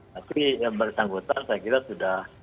tapi yang bersangkutan saya kira sudah